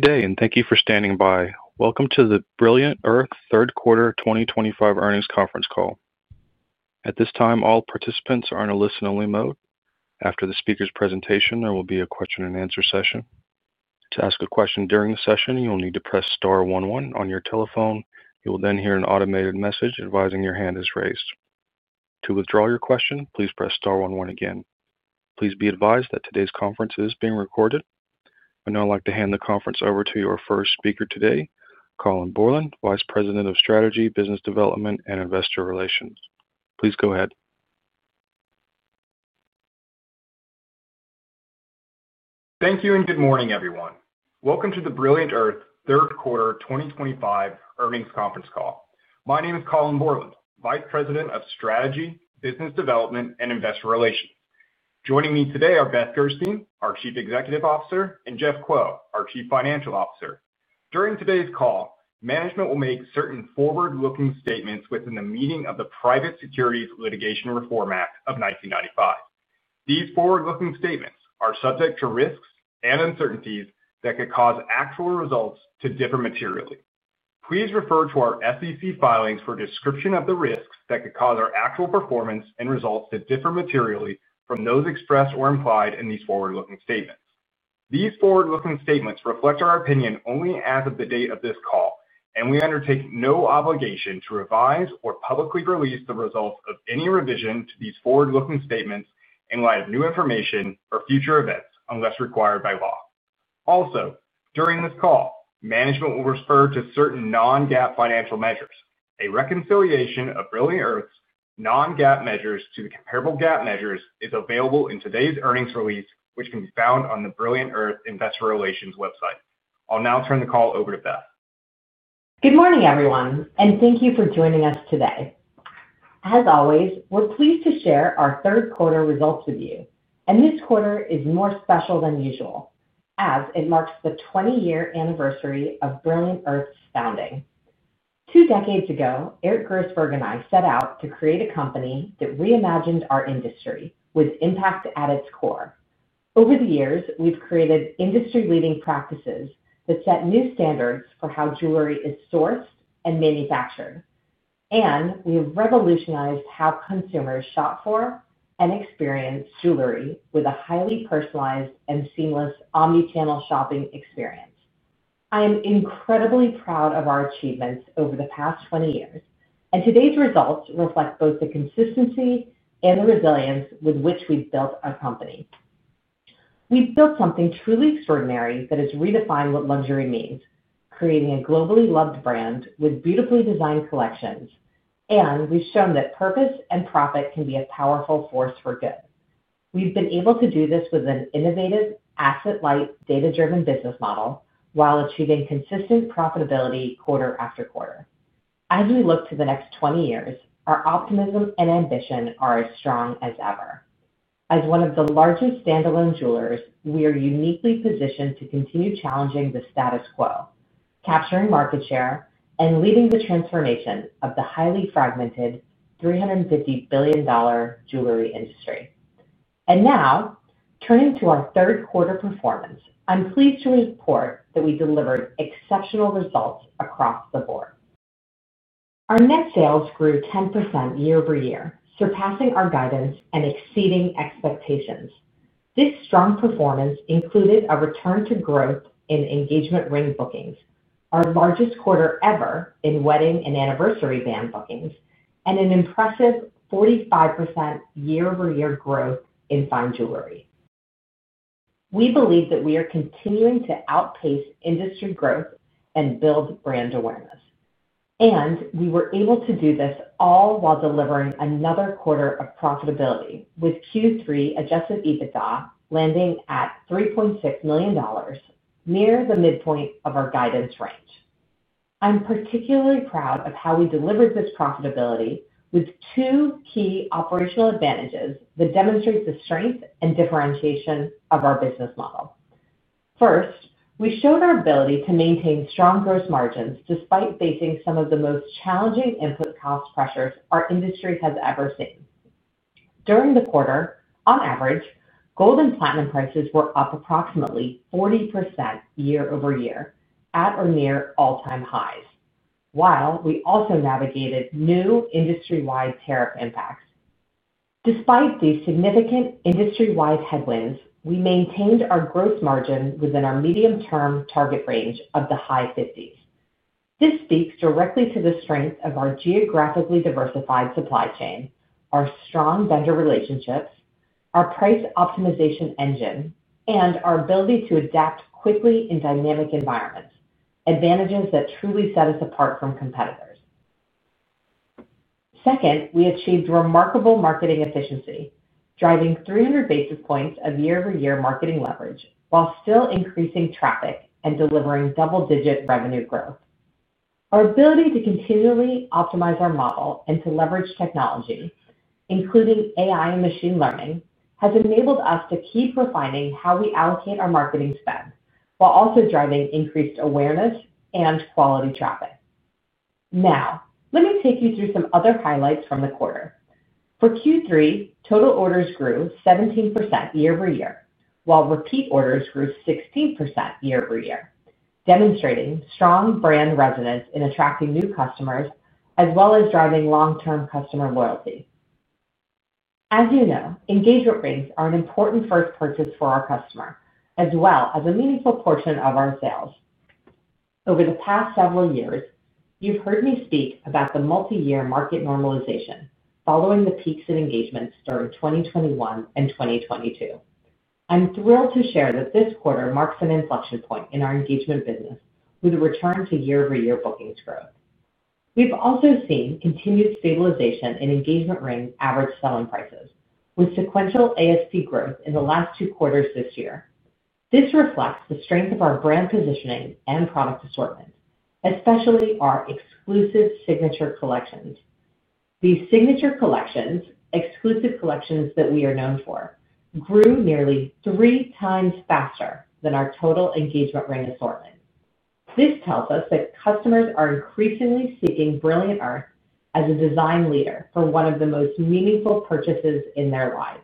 Good day, and thank you for standing by. Welcome to the Brilliant Earth Third Quarter 2025 Earnings Conference Call. At this time, all participants are in a listen-only mode. After the speaker's presentation, there will be a question-and-answer session. To ask a question during the session, you will need to press Star one one on your telephone. You will then hear an automated message advising your hand is raised. To withdraw your question, please press Star one one again. Please be advised that today's conference is being recorded. I'd now like to hand the conference over to your first speaker today, Colin Borland, Vice President of Strategy, Business Development, and Investor Relations. Please go ahead. Thank you, and good morning, everyone. Welcome to the Brilliant Earth Third Quarter 2025 Earnings Conference Call. My name is Colin Borland, Vice President of Strategy, Business Development, and Investor Relations. Joining me today are Beth Gerstein, our Chief Executive Officer, and Jeff Kuo, our Chief Financial Officer. During today's call, management will make certain forward-looking statements within the meaning of the Private Securities Litigation Reform Act of 1995. These forward-looking statements are subject to risks and uncertainties that could cause actual results to differ materially. Please refer to our SEC filings for a description of the risks that could cause our actual performance and results to differ materially from those expressed or implied in these forward-looking statements. These forward-looking statements reflect our opinion only as of the date of this call, and we undertake no obligation to revise or publicly release the results of any revision to these forward-looking statements in light of new information or future events, unless required by law. Also, during this call, management will refer to certain non-GAAP financial measures. A reconciliation of Brilliant Earth's non-GAAP measures to the comparable GAAP measures is available in today's earnings release, which can be found on the Brilliant Earth Investor Relations website. I'll now turn the call over to Beth. Good morning, everyone, and thank you for joining us today. As always, we're pleased to share our Third-Quarter results with you, and this quarter is more special than usual as it marks the 20-year anniversary of Brilliant Earth's founding. Two decades ago, Eric Grossberg and I set out to create a company that reimagined our industry with impact at its core. Over the years, we've created industry-leading practices that set new standards for how jewelry is sourced and manufactured, and we have revolutionized how consumers shop for and experience jewelry with a highly personalized and seamless omnichannel shopping experience. I am incredibly proud of our achievements over the past 20 years, and today's results reflect both the consistency and the resilience with which we've built our company. We've built something truly extraordinary that has redefined what luxury means: creating a globally loved brand with beautifully designed collections, and we've shown that purpose and profit can be a powerful force for good. We've been able to do this with an innovative, asset-light, data-driven business model while achieving consistent profitability quarter after quarter. As we look to the next 20 years, our optimism and ambition are as strong as ever. As one of the largest standalone jewelers, we are uniquely positioned to continue challenging the status quo, capturing market share, and leading the transformation of the highly fragmented $350 billion jewelry industry. Now, turning to our third-quarter performance, I'm pleased to report that we delivered exceptional results across the board. Our net sales grew 10% year-over-year, surpassing our guidance and exceeding expectations. This strong performance included a return to growth in engagement ring bookings, our largest quarter ever in wedding and anniversary band bookings, and an impressive 45% year-over-year growth in fine jewelry. We believe that we are continuing to outpace industry growth and build brand awareness, and we were able to do this all while delivering another quarter of profitability with Q3 adjusted EBITDA landing at $3.6 million, near the midpoint of our guidance range. I'm particularly proud of how we delivered this profitability with two key operational advantages that demonstrate the strength and differentiation of our business model. First, we showed our ability to maintain strong gross margins despite facing some of the most challenging input cost pressures our industry has ever seen. During the quarter, on average, gold and platinum prices were up approximately 40% year-over-year at or near all-time highs, while we also navigated new industry-wide tariff impacts. Despite these significant industry-wide headwinds, we maintained our gross margin within our medium-term target range of the high 50s. This speaks directly to the strength of our geographically diversified supply chain, our strong vendor relationships, our price optimization engine, and our ability to adapt quickly in dynamic environments, advantages that truly set us apart from competitors. Second, we achieved remarkable marketing efficiency, driving 300 basis points of year-over-year marketing leverage while still increasing traffic and delivering double-digit revenue growth. Our ability to continually optimize our model and to leverage technology, including AI and machine learning, has enabled us to keep refining how we allocate our marketing spend while also driving increased awareness and quality traffic. Now, let me take you through some other highlights from the quarter. For Q3, total orders grew 17% year-over-year, while repeat orders grew 16% year-over-year, demonstrating strong brand resonance in attracting new customers as well as driving long-term customer loyalty. As you know, engagement rings are an important first purchase for our customer, as well as a meaningful portion of our sales. Over the past several years, you've heard me speak about the multi-year market normalization following the peaks in engagement during 2021 and 2022. I'm thrilled to share that this quarter marks an inflection point in our engagement business with a return to year-over-year bookings growth. We've also seen continued stabilization in engagement ring average selling prices, with sequential ASP growth in the last two quarters this year. This reflects the strength of our brand positioning and product assortment, especially our exclusive signature collections. These signature collections, exclusive collections that we are known for, grew nearly three times faster than our total engagement ring assortment. This tells us that customers are increasingly seeking Brilliant Earth as a design leader for one of the most meaningful purchases in their lives.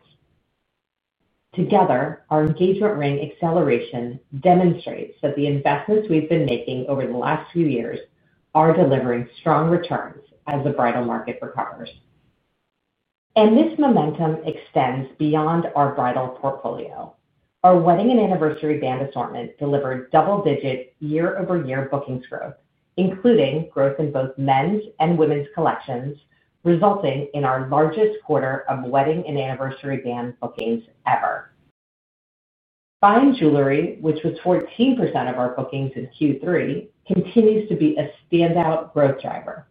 Together, our engagement ring acceleration demonstrates that the investments we have been making over the last few years are delivering strong returns as the bridal market recovers. This momentum extends beyond our bridal portfolio. Our wedding and anniversary band assortment delivered double-digit year-over-year bookings growth, including growth in both men's and women's collections, resulting in our largest quarter of wedding and anniversary band bookings ever. Fine jewelry, which was 14% of our bookings in Q3, continues to be a standout growth driver.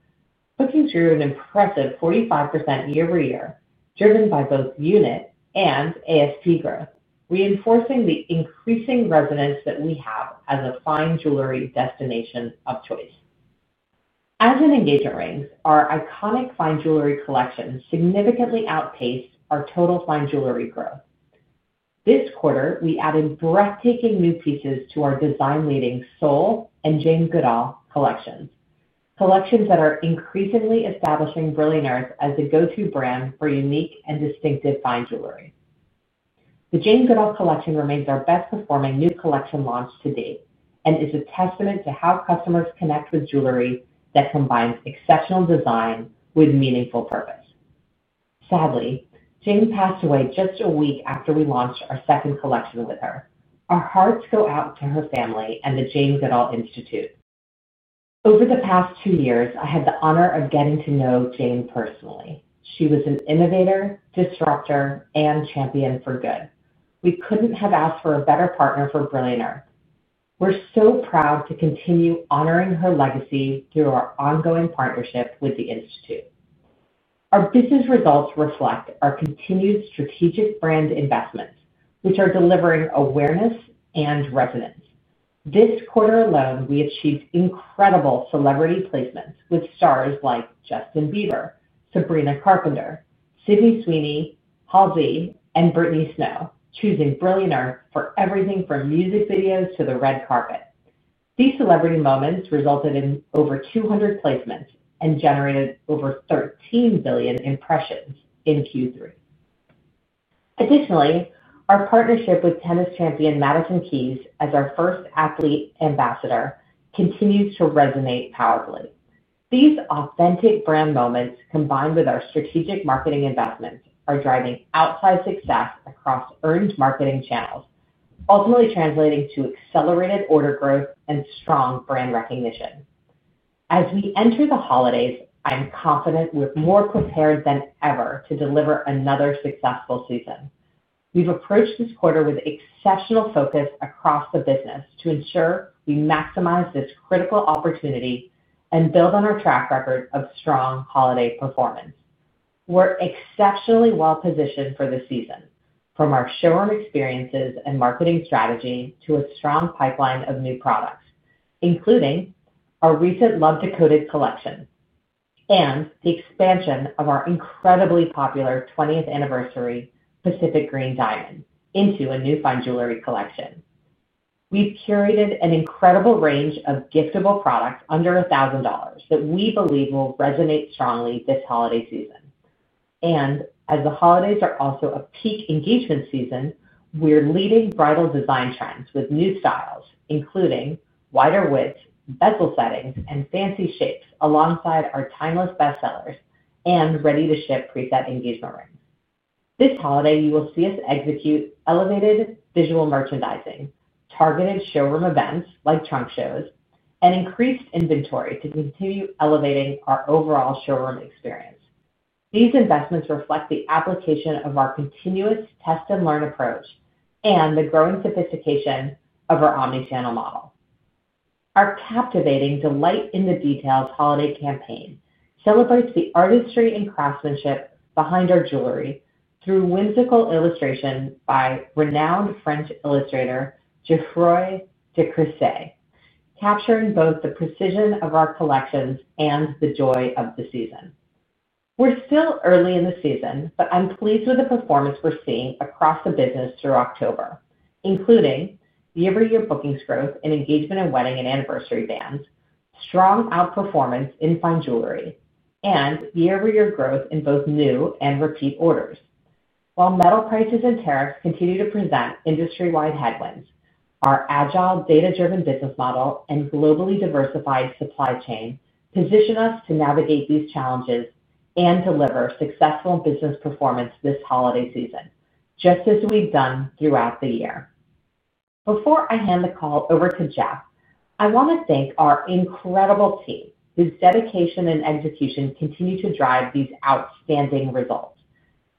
Bookings grew an impressive 45% year-over-year, driven by both unit and ASP growth, reinforcing the increasing resonance that we have as a fine jewelry destination of choice. As in engagement rings, our iconic fine jewelry collections significantly outpaced our total fine jewelry growth. This quarter, we added breathtaking new pieces to our design-leading Soul and Jane Goodall collections, collections that are increasingly establishing Brilliant Earth as the go-to brand for unique and distinctive fine jewelry. The Jane Goodall collection remains our best-performing new collection launch to date and is a testament to how customers connect with jewelry that combines exceptional design with meaningful purpose. Sadly, Jane passed away just a week after we launched our second collection with her. Our hearts go out to her family and the Jane Goodall Institute. Over the past two years, I had the honor of getting to know Jane personally. She was an innovator, disruptor, and champion for good. We couldn't have asked for a better partner for Brilliant Earth. We're so proud to continue honoring her legacy through our ongoing partnership with the Institute. Our business results reflect our continued strategic brand investments, which are delivering awareness and resonance. This quarter alone, we achieved incredible celebrity placements with stars like Justin Bieber, Sabrina Carpenter, Sydney Sweeney, Halsey, and Britney Snow, choosing Brilliant Earth for everything from music videos to the red carpet. These celebrity moments resulted in over 200 placements and generated over 13 billion impressions in Q3. Additionally, our partnership with tennis champion Madison Keys as our first athlete ambassador continues to resonate powerfully. These authentic brand moments, combined with our strategic marketing investments, are driving outsized success across earned marketing channels, ultimately translating to accelerated order growth and strong brand recognition. As we enter the holidays, I'm confident we're more prepared than ever to deliver another successful season. We've approached this quarter with exceptional focus across the business to ensure we maximize this critical opportunity and build on our track record of strong holiday performance. We're exceptionally well-positioned for the season, from our showroom experiences and marketing strategy to a strong pipeline of new products, including our recent Love Decoded collection and the expansion of our incredibly popular 20th anniversary Pacific Green Diamond into a new fine jewelry collection. We've curated an incredible range of giftable products under $1,000 that we believe will resonate strongly this holiday season. As the holidays are also a peak engagement season, we're leading bridal design trends with new styles, including wider widths, bezel settings, and fancy shapes, alongside our timeless bestsellers and ready-to-ship preset engagement rings. This holiday, you will see us execute elevated visual merchandising, targeted showroom events like trunk shows, and increased inventory to continue elevating our overall showroom experience. These investments reflect the application of our continuous test-and-learn approach and the growing sophistication of our omnichannel model. Our captivating delight-in-the-details holiday campaign celebrates the artistry and craftsmanship behind our jewelry through whimsical illustrations by renowned French illustrator Geoffroy de Crousaz, capturing both the precision of our collections and the joy of the season. We're still early in the season, but I'm pleased with the performance we're seeing across the business through October, including year-over-year bookings growth in engagement and wedding and anniversary bands, strong outperformance in fine jewelry, and year-over-year growth in both new and repeat orders. While metal prices and tariffs continue to present industry-wide headwinds, our agile, data-driven business model and globally diversified supply chain position us to navigate these challenges and deliver successful business performance this holiday season, just as we've done throughout the year. Before I hand the call over to Jeff, I want to thank our incredible team whose dedication and execution continue to drive these outstanding results.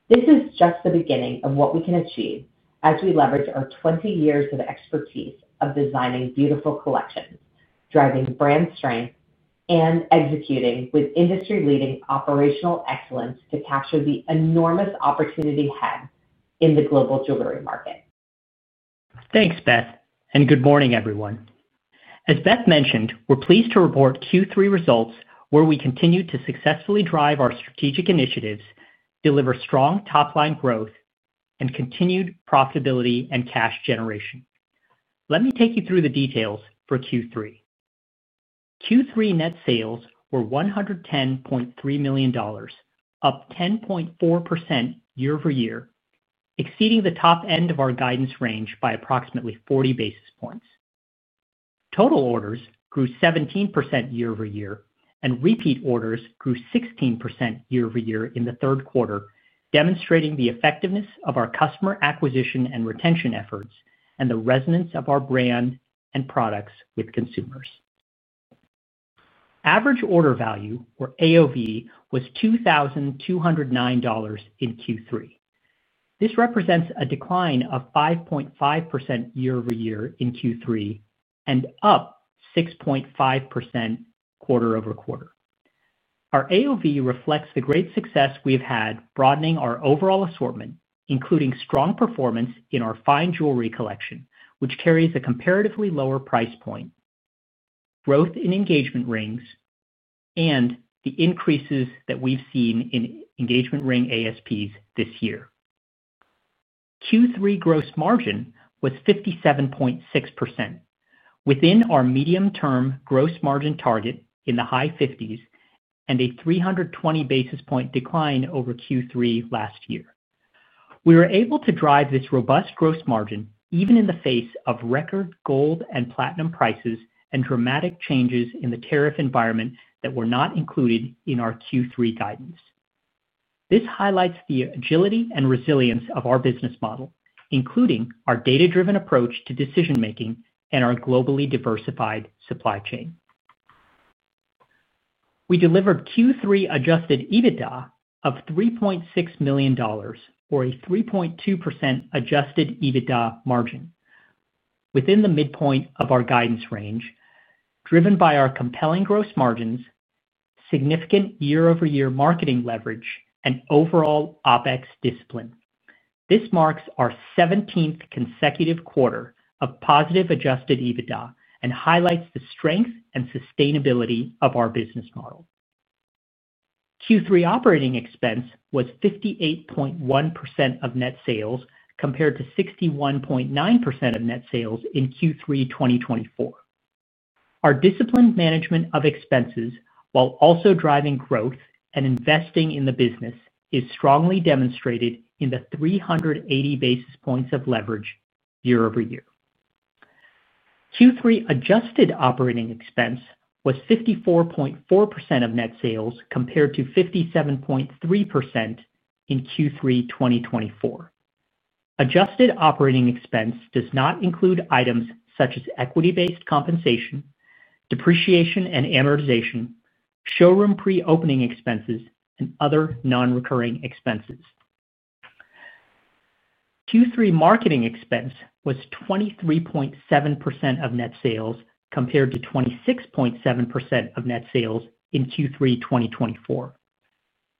This is just the beginning of what we can achieve as we leverage our 20 years of expertise of designing beautiful collections, driving brand strength, and executing with industry-leading operational excellence to capture the enormous opportunity ahead in the global jewelry market. Thanks, Beth, and good morning, everyone. As Beth mentioned, we're pleased to report Q3 results where we continue to successfully drive our strategic initiatives, deliver strong top-line growth, and continued profitability and cash generation. Let me take you through the details for Q3. Q3 net sales were $110.3 million, up 10.4% year-over-year, exceeding the top end of our guidance range by approximately 40 basis points. Total orders grew 17% year-over-year, and repeat orders grew 16% year-over-year in the third quarter, demonstrating the effectiveness of our customer acquisition and retention efforts and the resonance of our brand and products with consumers. Average order value, or AOV, was $2,209 in Q3. This represents a decline of 5.5% year-over-year in Q3 and up 6.5% quarter-over-quarter. Our AOV reflects the great success we have had broadening our overall assortment, including strong performance in our fine jewelry collection, which carries a comparatively lower price point. Growth in engagement rings and the increases that we've seen in engagement ring ASPs this year. Q3 gross margin was 57.6%, within our medium-term gross margin target in the high 50s and a 320 basis point decline over Q3 last year. We were able to drive this robust gross margin even in the face of record gold and platinum prices and dramatic changes in the tariff environment that were not included in our Q3 guidance. This highlights the agility and resilience of our business model, including our data-driven approach to decision-making and our globally diversified supply chain. We delivered Q3 adjusted EBITDA of $3.6 million, or a 3.2% adjusted EBITDA margin, within the midpoint of our guidance range, driven by our compelling gross margins, significant year-over-year marketing leverage, and overall OpEx discipline. This marks our 17th consecutive quarter of positive adjusted EBITDA and highlights the strength and sustainability of our business model. Q3 operating expense was 58.1% of net sales compared to 61.9% of net sales in Q3 2023. Our disciplined management of expenses, while also driving growth and investing in the business, is strongly demonstrated in the 380 basis points of leverage year-over-year. Q3 adjusted operating expense was 54.4% of net sales compared to 57.3% in Q3 2023. Adjusted operating expense does not include items such as equity-based compensation, depreciation and amortization, showroom pre-opening expenses, and other non-recurring expenses. Q3 marketing expense was 23.7% of net sales compared to 26.7% of net sales in Q3 2023.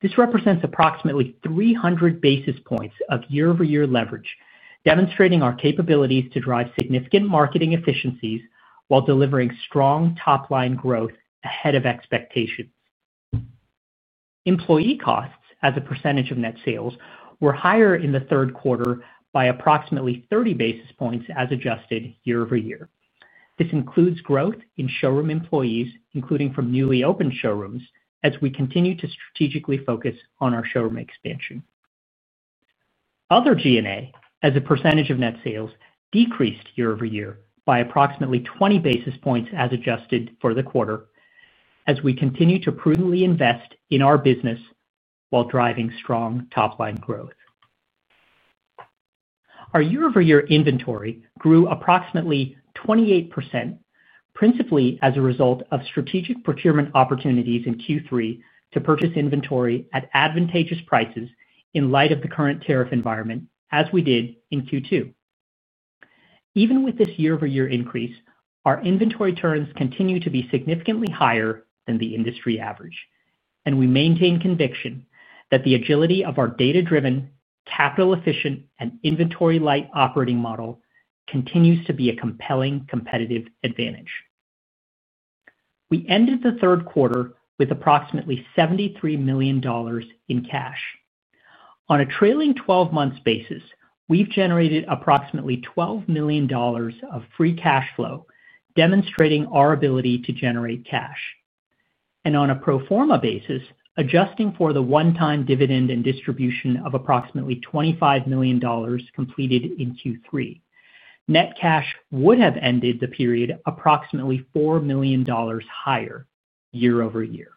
This represents approximately 300 basis points of year-over-year leverage, demonstrating our capabilities to drive significant marketing efficiencies while delivering strong top-line growth ahead of expectations. Employee costs, as a percentage of net sales, were higher in the third quarter by approximately 30 basis points as adjusted year-over-year. This includes growth in showroom employees, including from newly opened showrooms, as we continue to strategically focus on our showroom expansion. Other G&A, as a percentage of net sales, decreased year-over-year by approximately 20 basis points as adjusted for the quarter, as we continue to prudently invest in our business while driving strong top-line growth. Our year-over-year inventory grew approximately 28%, principally as a result of strategic procurement opportunities in Q3 to purchase inventory at advantageous prices in light of the current tariff environment, as we did in Q2. Even with this year-over-year increase, our inventory turns continue to be significantly higher than the industry average, and we maintain conviction that the agility of our data-driven, capital-efficient, and inventory-light operating model continues to be a compelling competitive advantage. We ended the third quarter with approximately $73 million in cash. On a trailing 12-month basis, we've generated approximately $12 million of free cash flow, demonstrating our ability to generate cash. On a pro forma basis, adjusting for the one-time dividend and distribution of approximately $25 million completed in Q3, net cash would have ended the period approximately $4 million higher year-over-year.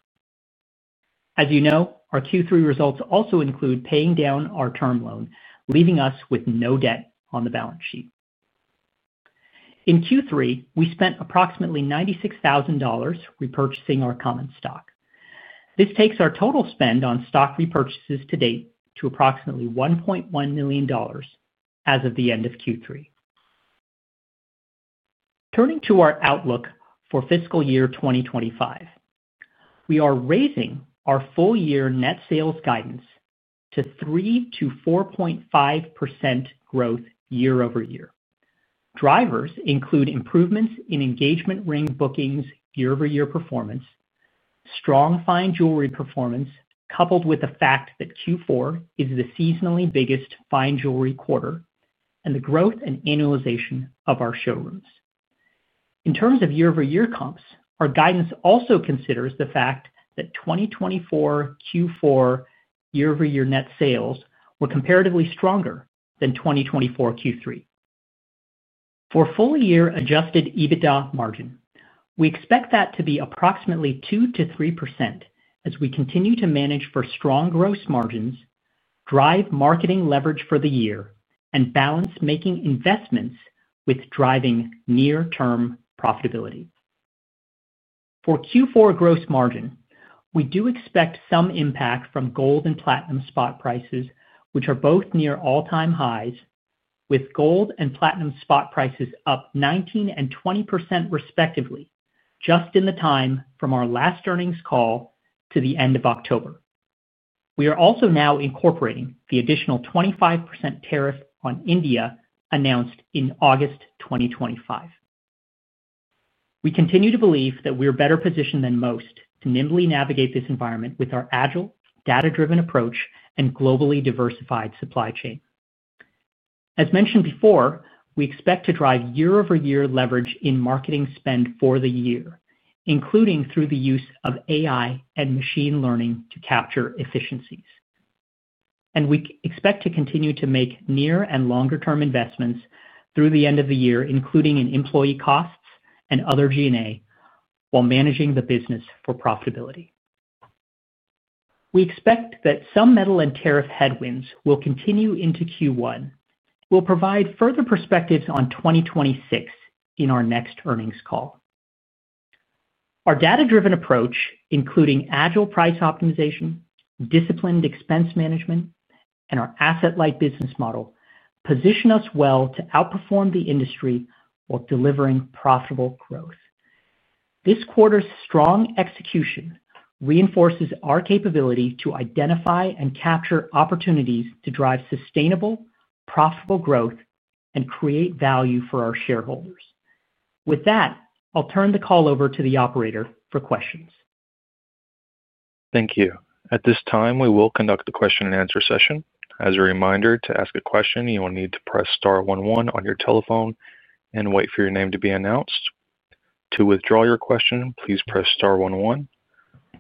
As you know, our Q3 results also include paying down our term loan, leaving us with no debt on the balance sheet. In Q3, we spent approximately $96,000 repurchasing our common stock. This takes our total spend on stock repurchases to date to approximately $1.1 million as of the end of Q3. Turning to our outlook for fiscal year 2025, we are raising our full-year net sales guidance to 3-4.5% growth year-over-year. Drivers include improvements in engagement ring bookings year-over-year performance, strong fine jewelry performance, coupled with the fact that Q4 is the seasonally biggest fine jewelry quarter, and the growth and annualization of our showrooms. In terms of year-over-year comps, our guidance also considers the fact that 2024 Q4 year-over-year net sales were comparatively stronger than 2024 Q3. For full-year adjusted EBITDA margin, we expect that to be approximately 2-3% as we continue to manage for strong gross margins, drive marketing leverage for the year, and balance making investments with driving near-term profitability. For Q4 gross margin, we do expect some impact from gold and platinum spot prices, which are both near all-time highs, with gold and platinum spot prices up 19% and 20% respectively, just in the time from our last earnings call to the end of October. We are also now incorporating the additional 25% tariff on India announced in August 2025. We continue to believe that we are better positioned than most to nimbly navigate this environment with our agile, data-driven approach and globally diversified supply chain. As mentioned before, we expect to drive year-over-year leverage in marketing spend for the year, including through the use of AI and machine learning to capture efficiencies. We expect to continue to make near and longer-term investments through the end of the year, including in employee costs and other G&A, while managing the business for profitability. We expect that some metal and tariff headwinds will continue into Q1. We will provide further perspectives on 2026 in our next earnings call. Our data-driven approach, including agile price optimization, disciplined expense management, and our asset-light business model, position us well to outperform the industry while delivering profitable growth. This quarter's strong execution reinforces our capability to identify and capture opportunities to drive sustainable, profitable growth and create value for our shareholders. With that, I'll turn the call over to the operator for questions. Thank you. At this time, we will conduct the question-and-answer session. As a reminder, to ask a question, you will need to press Star one one on your telephone and wait for your name to be announced. To withdraw your question, please press Star one one.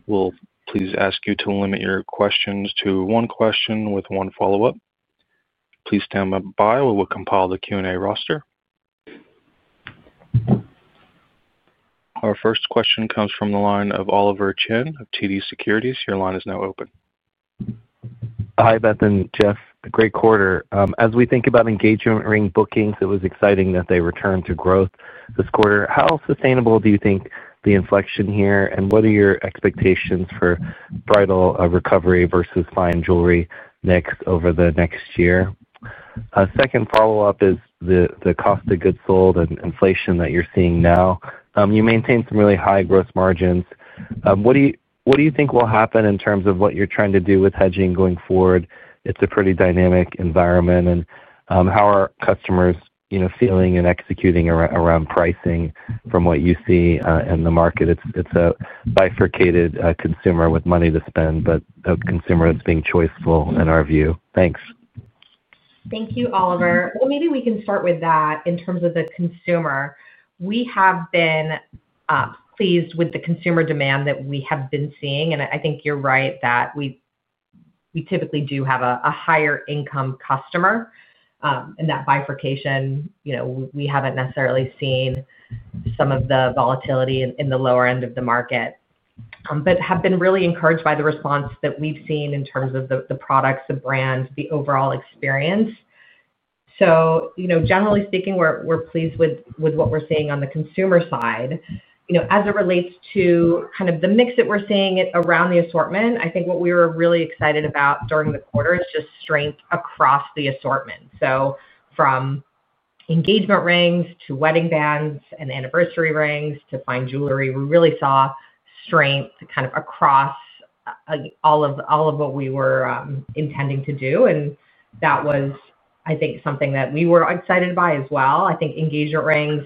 We'll please ask you to limit your questions to one question with one follow-up. Please stand by while we compile the Q&A roster. Our first question comes from the line of Oliver Chen of TD Securities. Your line is now open. Hi, Beth and Jeff. Great quarter. As we think about engagement ring bookings, it was exciting that they returned to growth this quarter. How sustainable do you think the inflection here is and what are your expectations for bridal recovery versus fine jewelry mix over the next year? Second follow-up is the cost of goods sold and inflation that you're seeing now. You maintain some really high gross margins. What do you think will happen in terms of what you're trying to do with hedging going forward? It's a pretty dynamic environment. How are customers feeling and executing around pricing from what you see in the market? It's a bifurcated consumer with money to spend, but a consumer that's being choiceful, in our view. Thanks. Thank you, Oliver. Maybe we can start with that in terms of the consumer. We have been pleased with the consumer demand that we have been seeing. I think you're right that we typically do have a higher-income customer. In that bifurcation, we haven't necessarily seen some of the volatility in the lower end of the market. We have been really encouraged by the response that we've seen in terms of the products, the brands, the overall experience. Generally speaking, we're pleased with what we're seeing on the consumer side. As it relates to kind of the mix that we're seeing around the assortment, I think what we were really excited about during the quarter is just strength across the assortment. From engagement rings to wedding bands and anniversary rings to fine jewelry, we really saw strength kind of across all of what we were intending to do. That was, I think, something that we were excited by as well. I think engagement rings,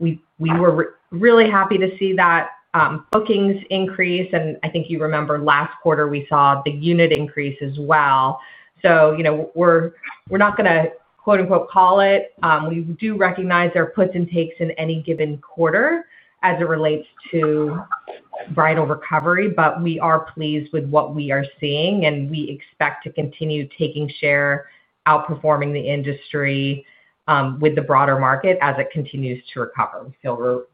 we were really happy to see that bookings increase. I think you remember last quarter we saw the unit increase as well. We are not going to call it. We do recognize there are puts and takes in any given quarter as it relates to bridal recovery, but we are pleased with what we are seeing. We expect to continue taking share, outperforming the industry with the broader market as it continues to recover. We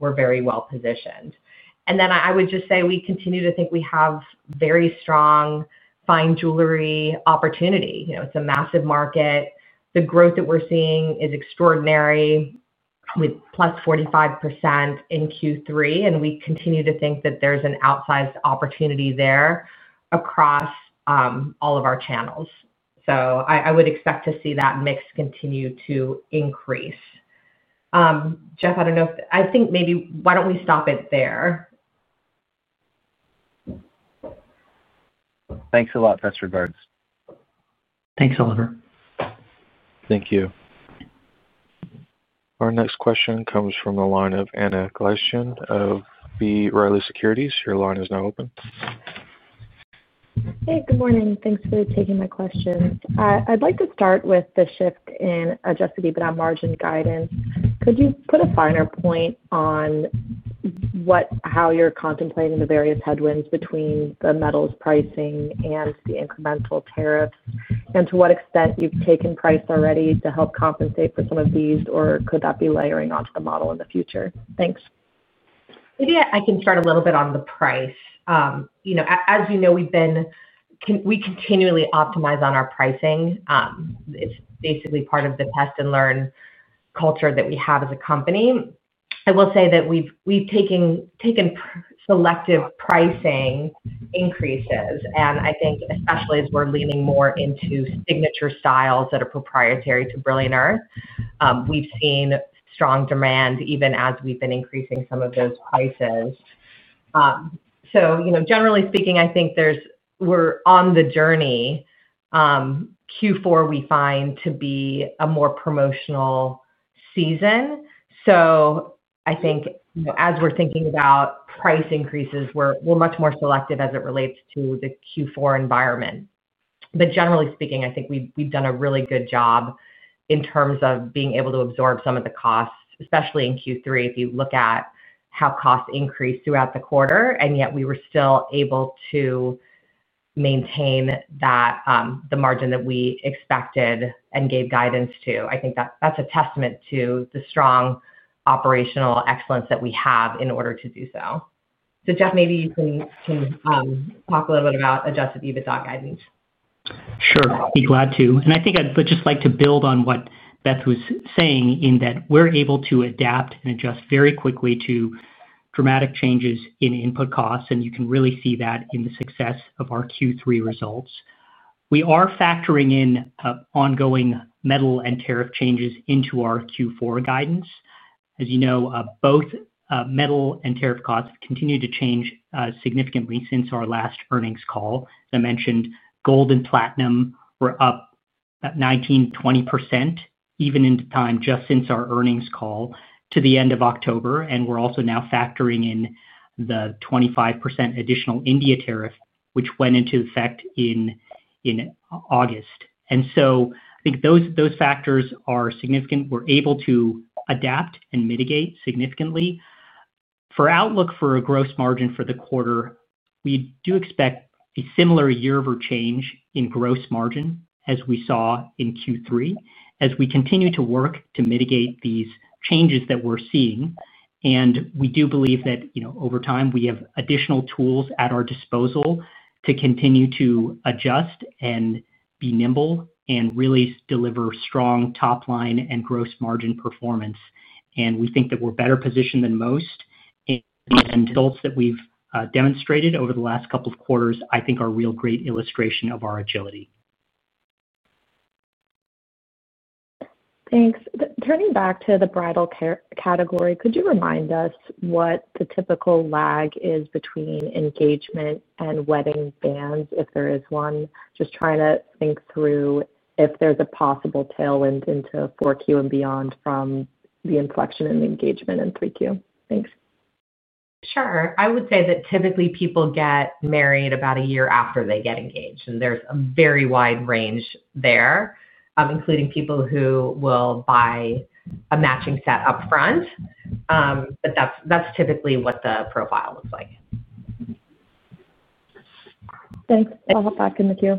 are very well positioned. I would just say we continue to think we have very strong fine jewelry opportunity. It is a massive market. The growth that we are seeing is extraordinary, with plus 45% in Q3. We continue to think that there is an outsized opportunity there across all of our channels. I would expect to see that mix continue to increase. Jeff, I do not know if I think maybe why do we not stop it there? Thanks a lot, Beth Gerstein. Thanks, Oliver. Thank you. Our next question comes from the line of Anna Glaessgen of B. Riley Securities. Your line is now open. Hey, good morning. Thanks for taking my question. I'd like to start with the shift in adjusted EBITDA margin guidance. Could you put a finer point on how you're contemplating the various headwinds between the metals pricing and the incremental tariffs, and to what extent you've taken price already to help compensate for some of these, or could that be layering onto the model in the future? Thanks. Maybe I can start a little bit on the price. As you know, we continually optimize on our pricing. It's basically part of the test-and-learn culture that we have as a company. I will say that we've taken selective pricing increases. I think especially as we're leaning more into signature styles that are proprietary to Brilliant Earth, we've seen strong demand even as we've been increasing some of those prices. Generally speaking, I think we're on the journey. Q4 we find to be a more promotional season. I think as we're thinking about price increases, we're much more selective as it relates to the Q4 environment. Generally speaking, I think we've done a really good job in terms of being able to absorb some of the costs, especially in Q3. If you look at how costs increased throughout the quarter, and yet we were still able to maintain the margin that we expected and gave guidance to, I think that's a testament to the strong operational excellence that we have in order to do so. Jeff, maybe you can. Talk a little bit about adjusted EBITDA guidance. Sure. I'd be glad to. I think I'd just like to build on what Beth was saying in that we're able to adapt and adjust very quickly to dramatic changes in input costs. You can really see that in the success of our Q3 results. We are factoring in ongoing metal and tariff changes into our Q4 guidance. As you know, both metal and tariff costs continue to change significantly since our last Earnings Call. As I mentioned, gold and platinum were up 19%-20% even in time just since our earnings call to the end of October. We're also now factoring in the 25% additional India tariff, which went into effect in August. I think those factors are significant. We're able to adapt and mitigate significantly. For outlook for a gross margin for the quarter, we do expect a similar year-over change in gross margin as we saw in Q3 as we continue to work to mitigate these changes that we're seeing. We do believe that over time, we have additional tools at our disposal to continue to adjust and be nimble and really deliver strong top-line and gross margin performance. We think that we're better positioned than most. Results that we've demonstrated over the last couple of quarters, I think, are a real great illustration of our agility. Thanks. Turning back to the bridal category, could you remind us what the typical lag is between engagement and wedding bands, if there is one? Just trying to think through if there's a possible tailwind into Q4 and beyond from the inflection in engagement in Q3. Thanks. Sure. I would say that typically people get married about a year after they get engaged. There's a very wide range there, including people who will buy a matching set upfront. That's typically what the profile looks like. Thanks. I'll hop back in the queue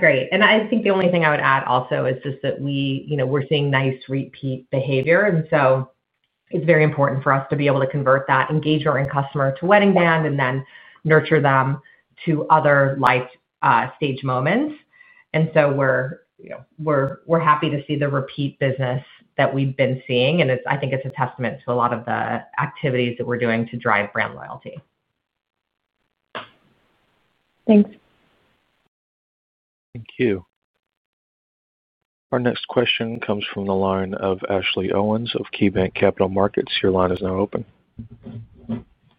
Great. I think the only thing I would add also is just that we're seeing nice repeat behavior. It's very important for us to be able to convert that engagement customer to wedding band and then nurture them to other life stage moments. We're happy to see the repeat business that we've been seeing. I think it's a testament to a lot of the activities that we're doing to drive brand loyalty. Thanks. Thank you. Our next question comes from the line of Ashley Owens of KeyBanc Capital Markets. Your line is now open.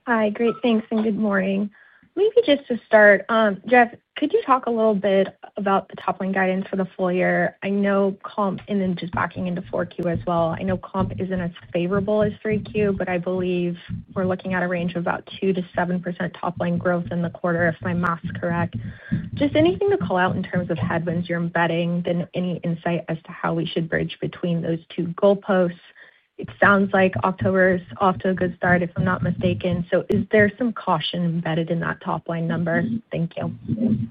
Hi. Great. Thanks. Good morning. Maybe just to start, Jeff, could you talk a little bit about the top-line guidance for the full year? I know comp, and then just backing into 4Q as well, I know comp is not as favorable as 3Q, but I believe we are looking at a range of about 2%-7% top-line growth in the quarter, if my math is correct. Just anything to call out in terms of headwinds you are embedding, then any insight as to how we should bridge between those two goalposts? It sounds like October is off to a good start, if I am not mistaken. Is there some caution embedded in that top-line number? Thank you.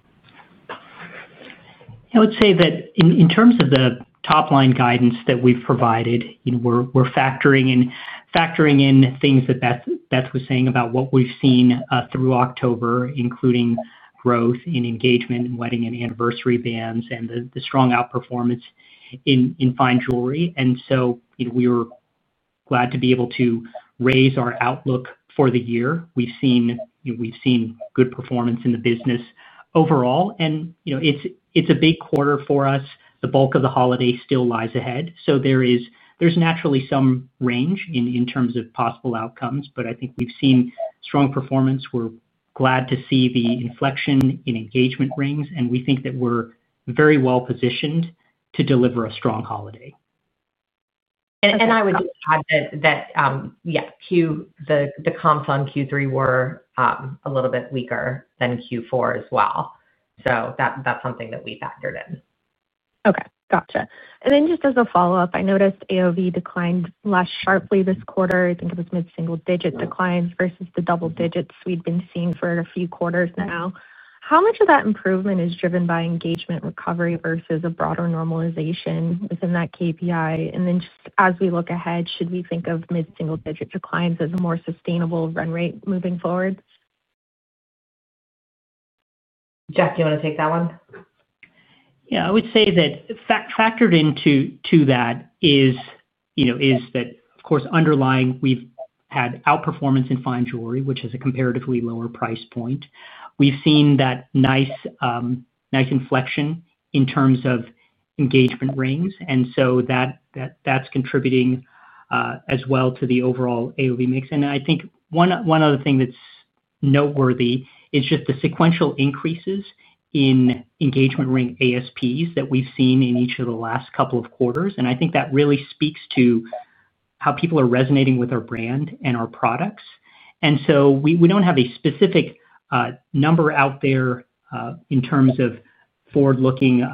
I would say that in terms of the top-line guidance that we have provided, we are factoring in. Things that Beth was saying about what we've seen through October, including growth in engagement and wedding and anniversary bands and the strong outperformance in fine jewelry. And so we were glad to be able to raise our outlook for the year. We've seen good performance in the business overall. And it's a big quarter for us. The bulk of the holiday still lies ahead. So there's naturally some range in terms of possible outcomes. But I think we've seen strong performance. We're glad to see the inflection in engagement rings. And we think that we're very well positioned to deliver a strong holiday. I would just add that, yeah, the comps on Q3 were a little bit weaker than Q4 as well. That's something that we factored in. Okay. Gotcha. And then just as a follow-up, I noticed AOV declined less sharply this quarter. I think it was mid-single-digit declines versus the double digits we've been seeing for a few quarters now. How much of that improvement is driven by engagement recovery versus a broader normalization within that KPI? Just as we look ahead, should we think of mid-single-digit declines as a more sustainable run rate moving forward? Jeff, do you want to take that one? Yeah. I would say that factored into that is, of course, underlying, we've had outperformance in fine jewelry, which is a comparatively lower price point. We've seen that nice inflection in terms of engagement rings, and so that's contributing as well to the overall AOV mix. I think one other thing that's noteworthy is just the sequential increases in engagement ring ASPs that we've seen in each of the last couple of quarters. I think that really speaks to. How people are resonating with our brand and our products. We do not have a specific number out there in terms of forward-looking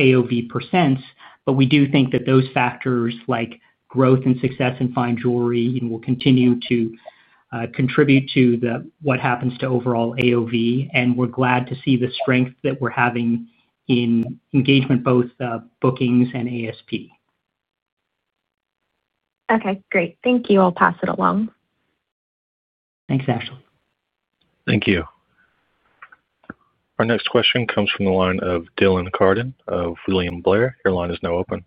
AOV percents, but we do think that those factors like growth and success in fine jewelry will continue to contribute to what happens to overall AOV. We are glad to see the strength that we are having in engagement, both bookings and ASP. Okay. Great. Thank you. I will pass it along. Thanks, Ashley. Thank you. Our next question comes from the line of Dylan Cardin of William Blair. Your line is now open.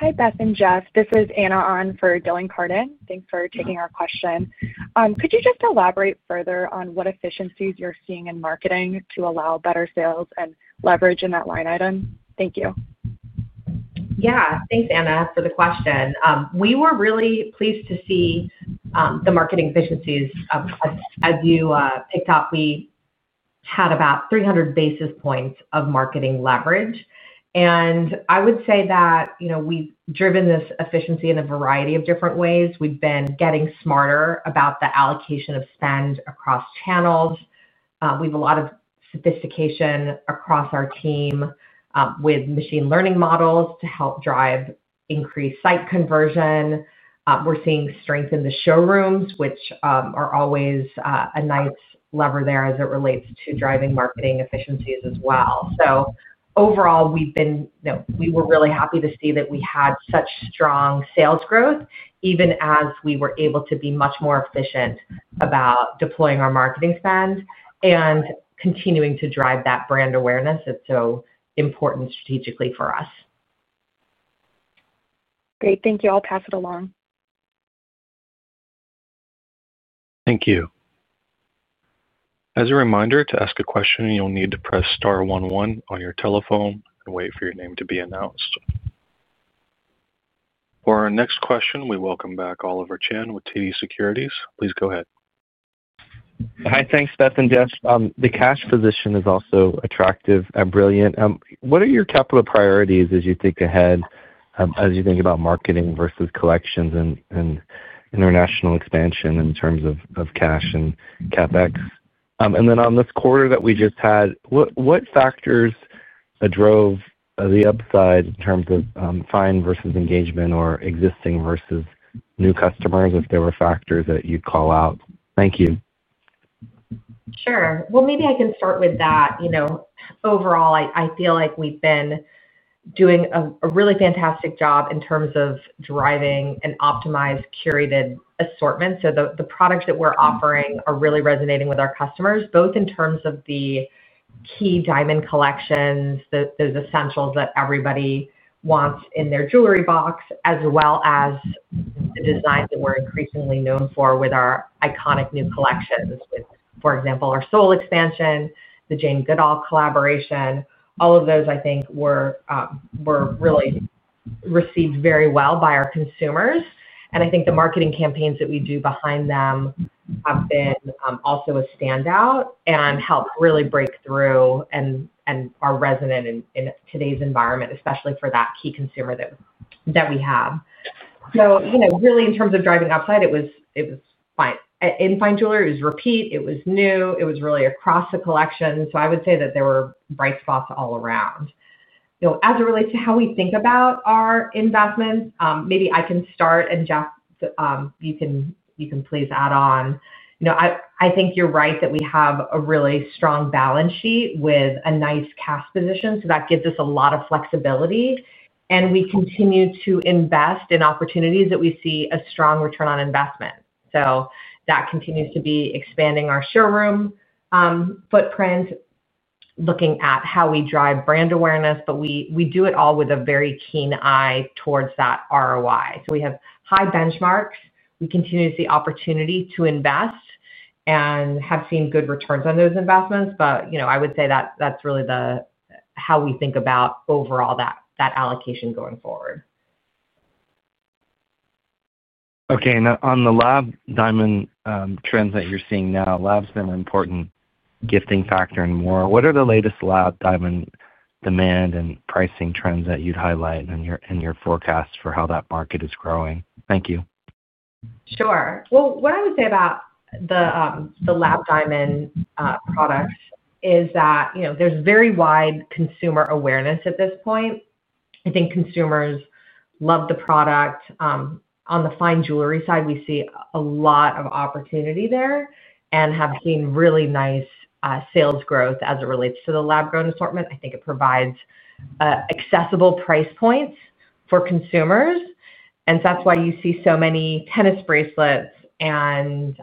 Hi, Beth and Jeff. This is Anna on for Dylan Cardin. Thanks for taking our question. Could you just elaborate further on what efficiencies you are seeing in marketing to allow better sales and leverage in that line item? Thank you. Yeah. Thanks, Anna, for the question. We were really pleased to see the marketing efficiencies. As you picked up, we had about 300 basis points of marketing leverage. I would say that we have driven this efficiency in a variety of different ways. We have been getting smarter about the allocation of spend across channels. We have a lot of sophistication across our team with machine learning models to help drive increased site conversion. We are seeing strength in the showrooms, which are always a nice lever there as it relates to driving marketing efficiencies as well. Overall, we were really happy to see that we had such strong sales growth, even as we were able to be much more efficient about deploying our marketing spend and continuing to drive that brand awareness. It is so important strategically for us. Great. Thank you. I will pass it along. Thank you. As a reminder, to ask a question, you'll need to press star 1 on your telephone and wait for your name to be announced. For our next question, we welcome back Oliver Chen with TD Securities. Please go ahead. Hi. Thanks, Beth and Jeff. The cash position is also attractive and brilliant. What are your capital priorities as you think ahead, as you think about marketing versus collections and international expansion in terms of cash and CapEx? And then on this quarter that we just had, what factors drove the upside in terms of fine versus engagement or existing versus new customers, if there were factors that you'd call out? Thank you. Sure. Maybe I can start with that. Overall, I feel like we've been doing a really fantastic job in terms of driving an optimized curated assortment. The products that we're offering are really resonating with our customers, both in terms of the key diamond collections, those essentials that everybody wants in their jewelry box, as well as the designs that we're increasingly known for with our iconic new collections, for example, our Soul collection expansion, the Jane Goodall collaboration. All of those, I think, were really received very well by our consumers. I think the marketing campaigns that we do behind them have been also a standout and helped really break through and are resonant in today's environment, especially for that key consumer that we have. Really, in terms of driving upside, it was fine. In fine jewelry, it was repeat. It was new. It was really across the collection. I would say that there were bright spots all around. As it relates to how we think about our investments, maybe I can start, and Jeff, you can please add on. I think you're right that we have a really strong balance sheet with a nice cash position. That gives us a lot of flexibility. We continue to invest in opportunities that we see a strong return on investment. That continues to be expanding our showroom footprint, looking at how we drive brand awareness, but we do it all with a very keen eye towards that ROI. We have high benchmarks. We continue to see opportunity to invest and have seen good returns on those investments. I would say that that's really how we think about overall that allocation going forward. Okay. On the lab diamond trends that you're seeing now, lab's been an important gifting factor and more. What are the latest lab diamond demand and pricing trends that you'd highlight in your forecast for how that market is growing? Thank you. Sure. What I would say about the lab diamond products is that there's very wide consumer awareness at this point. I think consumers love the product. On the fine jewelry side, we see a lot of opportunity there and have seen really nice sales growth as it relates to the lab-grown assortment. I think it provides accessible price points for consumers. That's why you see so many tennis bracelets and,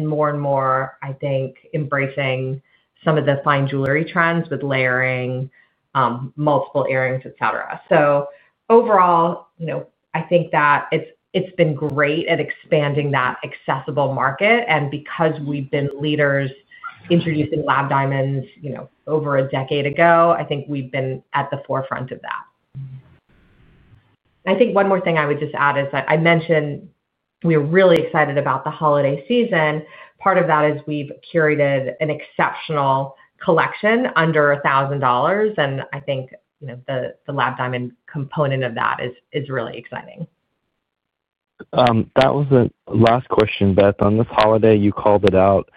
more and more, I think, embracing some of the fine jewelry trends with layering, multiple earrings, etc. Overall, I think that it's been great at expanding that accessible market. Because we've been leaders introducing lab diamonds over a decade ago, I think we've been at the forefront of that. I think one more thing I would just add is that I mentioned we are really excited about the holiday season. Part of that is we've curated an exceptional collection under $1,000. And I think the lab diamond component of that is really exciting. That was the last question, Beth. On this holiday, you called it out.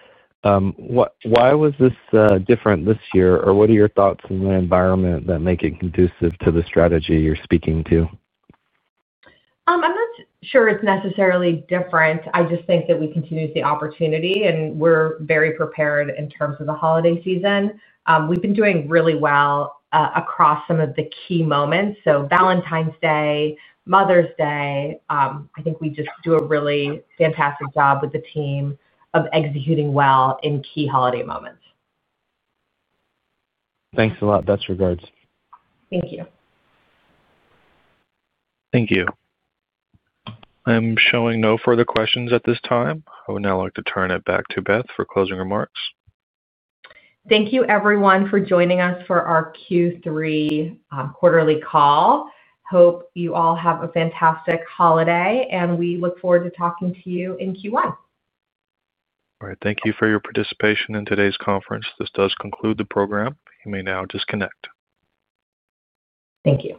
Why was this different this year? Or what are your thoughts on the environment that make it conducive to the strategy you're speaking to? I'm not sure it's necessarily different. I just think that we continue to see opportunity, and we're very prepared in terms of the holiday season. We've been doing really well across some of the key moments. Valentine's Day, Mother's Day, I think we just do a really fantastic job with the team of executing well in key holiday moments. Thanks a lot. Best regards. Thank you. Thank you. I'm showing no further questions at this time. I would now like to turn it back to Beth for closing remarks. Thank you, everyone, for joining us for our Q3 quarterly call. Hope you all have a fantastic holiday, and we look forward to talking to you in Q1. All right. Thank you for your participation in today's conference. This does conclude the program. You may now disconnect. Thank you.